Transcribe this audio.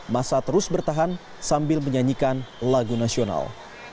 masa terus bertahan sambil menyanyikan lagu nasional